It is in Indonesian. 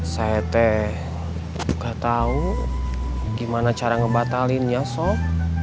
saya teh gak tahu gimana cara ngebatalinnya sob